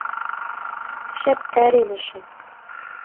— Шәптәр ине шул.